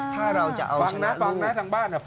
ถ้าเราจะเอาชนะลูก